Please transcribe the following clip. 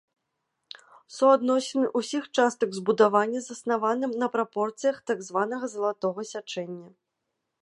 Суадносіны ўсіх частак збудавання заснаваны на прапорцыях так званага залатога сячэння.